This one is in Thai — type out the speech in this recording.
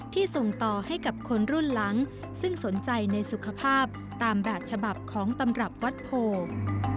ส่งต่อให้กับคนรุ่นหลังซึ่งสนใจในสุขภาพตามแบบฉบับของตำรับวัดโพ